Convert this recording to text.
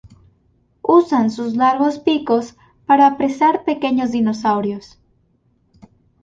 Usan sus largos picos para apresar pequeños dinosaurios.